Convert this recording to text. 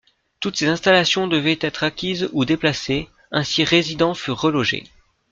Toutes ces installations devaient être acquises ou déplacées, ainsi résidents furent relogés.